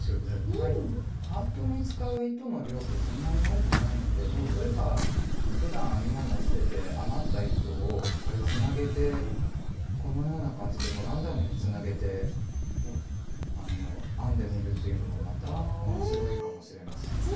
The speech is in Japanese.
ハートに使う糸の量ってそんなに多くないので例えばふだん編み物をしてて余った糸をつなげてこのような感じでランダムにつなげて編んでみるというのもまた面白いかもしれません。